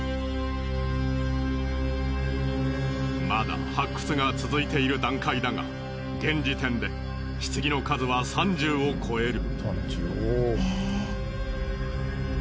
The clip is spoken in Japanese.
まだ発掘が続いている段階だが現時点で棺の数は３０を超える。